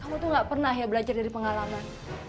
kamu itu gak pernah ya belajar dari pengalaman